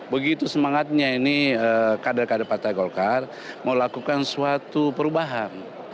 begitu semangatnya ini kader kader partai golkar melakukan suatu perubahan